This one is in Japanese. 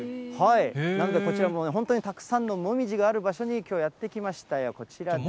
なので、こちらもたくさんのもみじがある場所に、きょうやって来ましたよ、こちらです。